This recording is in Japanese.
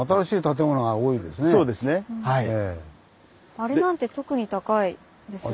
あれなんて特に高いですよね。